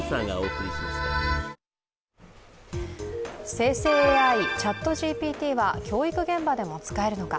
生成ＡＩ、ＣｈａｔＧＰＴは教育現場でも使えるのか。